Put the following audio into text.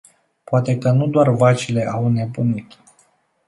Poate că nu doar vacile au înnebunit.